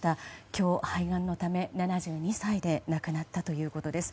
今日、肺がんのため７２歳で亡くなったということです。